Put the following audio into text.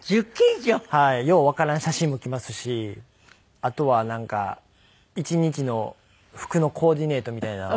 ようわからん写真も来ますしあとはなんか１日の服のコーディネートみたいなんを。